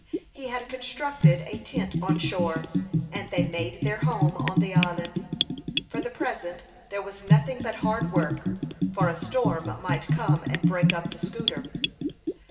He had constructed a tent on shore, and they made their home on the island. For the present there was nothing but hard work, for a storm might come and break up the schooner.